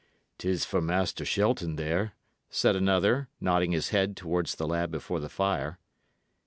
"'Tis for Master Shelton there," said another, nodding his head towards the lad before the fire.